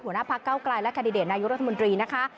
หัวหน้าพักเก้าไกลและคันดิเดตนายกรัฐมนตรีนะคะ